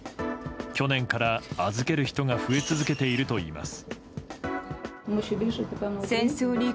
去年から、預ける人が増え続けているといいます。